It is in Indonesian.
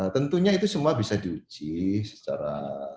tentunya itu semua bisa diuji secara